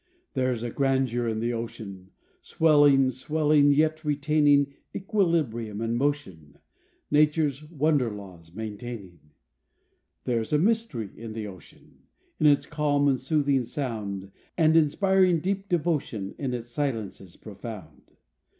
There's a grandeur in the ocean, Swelling, swelling, yet retaining, Equilibrium and motion Nature's wonder laws maintaining. There's a mystery in the ocean, In its calm and soothing sound, And inspiring deep devotion, In its silences profound.